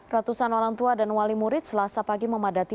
ratusan orang tua dan wali murid selasa pagi memadati